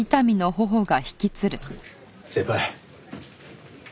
先輩。